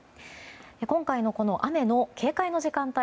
今回の雨の警戒の時間帯